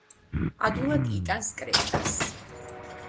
ადვილად იტანს კრეჭას.